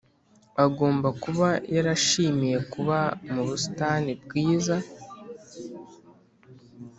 agomba kuba yarishimiye kuba mu busitani bwiza